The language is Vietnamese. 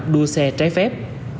đua xe trái phép